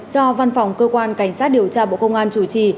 do văn phòng cơ quan cảnh sát điều tra bộ công an chủ trì